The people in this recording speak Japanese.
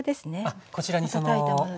あっこちらにそのはい。